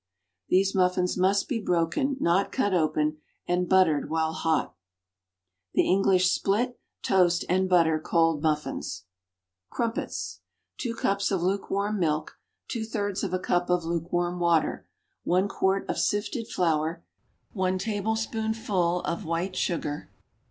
These muffins must be broken, not cut open, and buttered while hot. The English split, toast and butter cold muffins. Crumpets. Two cups of lukewarm milk. Two thirds of a cup of lukewarm water. One quart of sifted flour. One tablespoonful of white sugar.